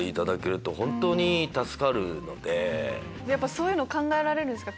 そういうの考えられるんですか？